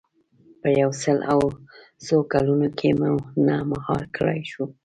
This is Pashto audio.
په یو سل او څو کلونو کې مو نه مهار کړای شو.